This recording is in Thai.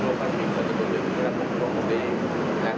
หลังแล้ววางเศร้าชุ่มเกณฑ์และศูนย์ฐานปนลงมาครับ